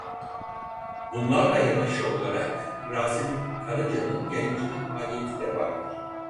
Bunlarla yanaşı olarak Rasim Karacanın yayıncılık faaliyeti de vardır.